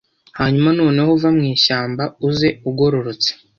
Hanyuma Noneho va mu ishyamba uze ugororotse